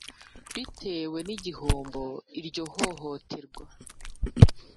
Bitewe n igihombo iryo hohoterwa